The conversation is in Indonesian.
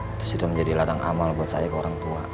itu sudah menjadi ladang amal buat saya ke orang tua